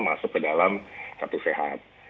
masuk ke dalam satu sehat